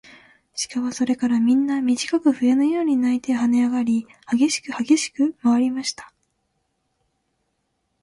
鹿はそれからみんな、みじかく笛のように鳴いてはねあがり、はげしくはげしくまわりました。